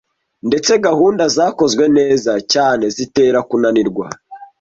Ndetse gahunda zakozwe neza cyane zitera kunanirwa.